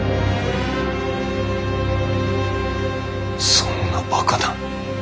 そんなバカな。